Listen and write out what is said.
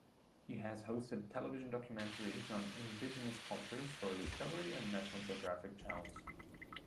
He has hosted television documentaries on indigenous cultures for Discovery and National Geographic channels.